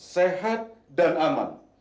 sehat dan aman